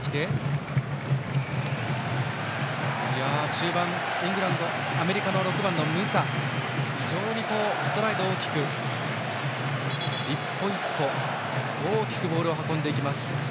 中盤、アメリカの６番のムサは非常にストライド大きく１歩１歩、大きくボールを運んでいきます。